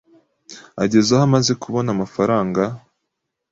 ageze aho amaze kubona amafaranga